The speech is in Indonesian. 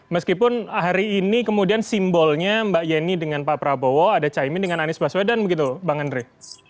meskipun hari ini kemudian simbolnya mbak yeni dengan pak prabowo ada caimin dengan anies baswedan begitu bang andre